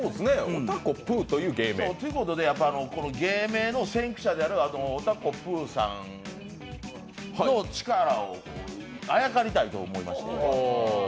ということで、芸名の先駆者であるおたこぷーさんの力にあやかりたいと思いまして。